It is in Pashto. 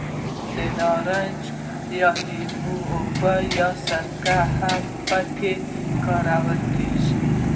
د نارنج یا لیمو اوبه یا سرکه هم په کې کارول کېږي.